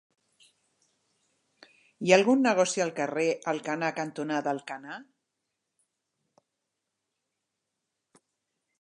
Hi ha algun negoci al carrer Alcanar cantonada Alcanar?